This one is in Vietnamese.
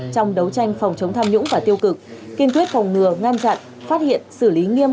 trong đấu tranh phòng chống tham nhũng và tiêu cực kiên quyết phòng ngừa ngăn chặn phát hiện xử lý nghiêm